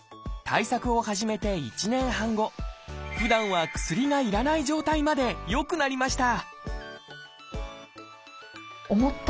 対策を始めて１年半後ふだんは薬がいらない状態まで良くなりました